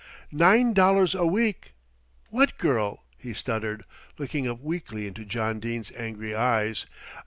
"Nine dollars a week! What girl?" he stuttered, looking up weakly into John Dene's angry eyes.